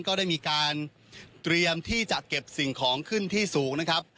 ก็ได้มีการเตรียมที่จะเก็บสิ่งของขึ้นที่สูงนะครับ